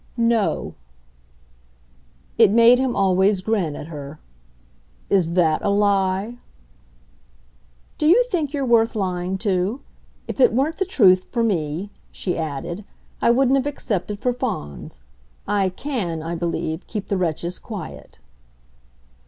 "No." It made him always grin at her. "Is THAT a lie?" "Do you think you're worth lying to? If it weren't the truth, for me," she added, "I wouldn't have accepted for Fawns. I CAN, I believe, keep the wretches quiet."